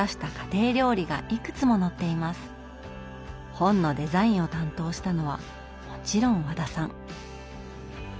本のデザインを担当したのはもちろん和田さん。